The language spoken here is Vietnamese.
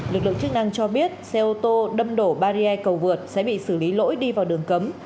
lực lượng chức năng cho biết xe ô tô đâm đổ bari cầu vượt sẽ bị xử lý lỗi đi vào đường cấm